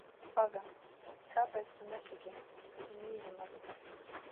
Paga, kāpēc tu nesaki, ka tu mīli mani?